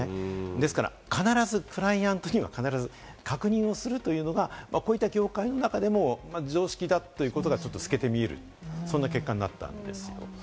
ですから、必ずクライアントには確認するというのがこういった業界の中でも常識だということが透けて見える、そんな結果になったんですけれども。